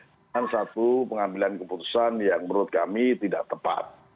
dengan satu pengambilan keputusan yang menurut kami tidak tepat